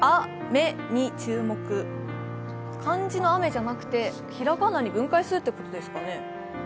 漢字の雨じゃなくて平仮名に分解するということですかね？